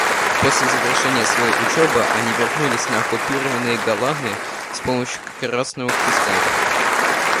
После завершения своей учебы они вернулись на оккупированные Голаны с помощью Красного Креста.